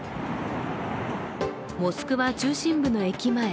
モスクワ中心部の駅前。